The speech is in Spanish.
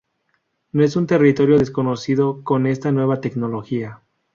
No es un territorio desconocido con esta nueva tecnología.